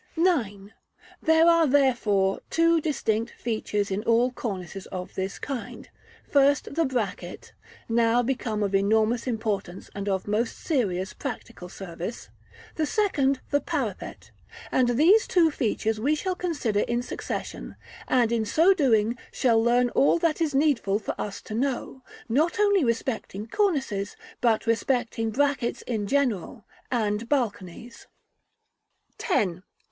§ IX. There are, therefore, two distinct features in all cornices of this kind; first, the bracket, now become of enormous importance and of most serious practical service; the second, the parapet: and these two features we shall consider in succession, and in so doing, shall learn all that is needful for us to know, not only respecting cornices, but respecting brackets in general, and balconies. § X.